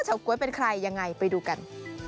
ก๊วยเป็นใครยังไงไปดูกัน